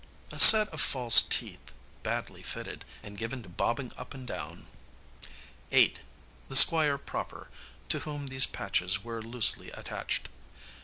A set of false teeth, badly fitted, and given to bobbing up and down. 8. The Squire proper, to whom these patches were loosely attached.